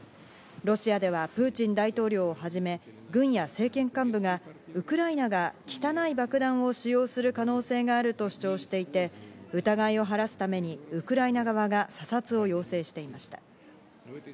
ロシアではプーチン大統領をはじめ、軍や政権幹部が、ウクライナが「汚い爆弾」を使用する可能性があると主張していて、疑いを晴らすためにウクライナ側が査察を要請していました。